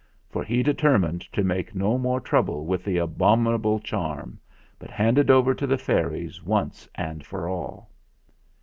For he determined to make no more trouble with the abominable charm, but hand it over to the fairies once and for all.